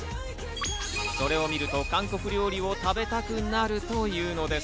それを見ると、韓国料理を食べたくなるというのです。